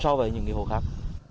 so với những nghị hộ khác